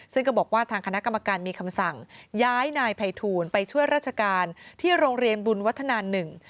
ซึ่งก็บอกว่าทางคณะกรรมการมีคำสั่งย้ายนายภัยทูลไปช่วยราชการที่โรงเรียนบุญวัฒนาหนึ่ง